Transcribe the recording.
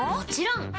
ん？